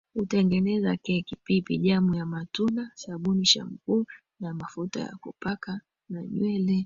Hutengeneza keki pipi jam ya matunda sabuni shampoo na mafuta ya kupaka na nywele